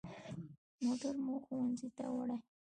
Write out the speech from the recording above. موټر مو ښوونځي ته وړي.